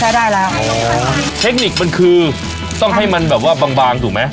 ใช้ได้แล้วเทคนิคมันคือต้องให้มันแบบว่าบางบางถูกไหม